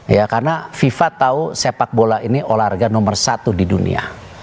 ya karena fifa tahu sepak bola ini olahraga nomor satu di dunia